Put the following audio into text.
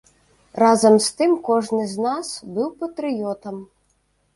Разам з тым кожны з нас быў патрыётам.